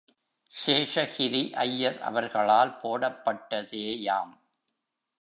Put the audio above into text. சேஷகிரி ஐயர் அவர்களால் போடப்பட்டதேயாம்.